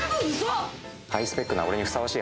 ハイスペックな俺にふさわしい。